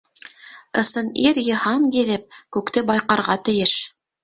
Ысын ир йыһан гиҙеп, күкте байҡарға тейеш.